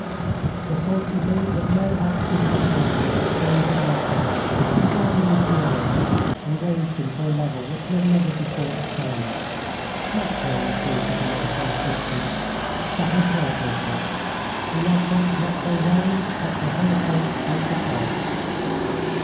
The certainty that no action of Maslova could change his love for her filled him with joy and raised him to a level which he had never before attained. Let her intrigue with the medical assistant; that was her business. He loved her not for his own but for her sake and for God's.